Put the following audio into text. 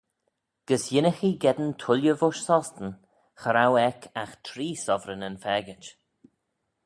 Gys yinnagh ee geddyn tooilley voish Sostyn, cha row eck agh tree sovereignyn faagit.